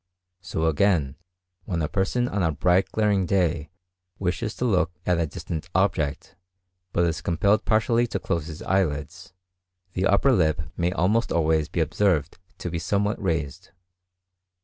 So again when a person on a bright, glaring day wishes to look at a distant object, but is compelled partially to close his eyelids, the upper lip may almost always be observed to be somewhat raised.